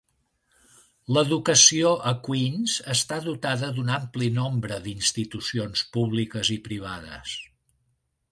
L'educació a Queens està dotada d'un ampli nombre d'institucions públiques i privades.